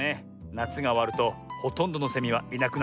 なつがおわるとほとんどのセミはいなくなっちゃうのさ。